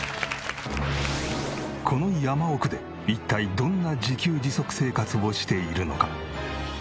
この山奥で一体どんな自給自足生活をしているのか？